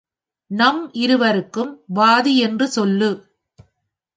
நம் இருவருக்கும் வாதி யென்று சொல்லு.